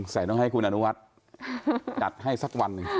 แต่ต้องให้คุณอนุวัฒน์จัดให้สักวันหนึ่ง